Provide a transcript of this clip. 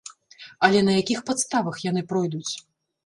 Але на якіх падставах яны пройдуць?